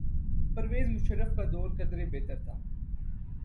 پرویز مشرف کا دور قدرے بہتر تھا۔